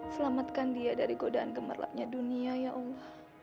selamatkan dia dari godaan gemerlapnya dunia ya allah